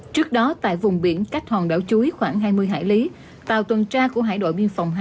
trước đó tại vùng biển cách hòn đảo chuối khoảng hai mươi hải lý tàu tuần tra của hải đội biên phòng hai